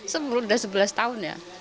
sudah sebelas tahun ya